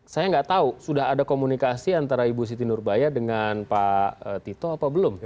saya nggak tahu sudah ada komunikasi antara ibu siti nurbaya dengan pak tito apa belum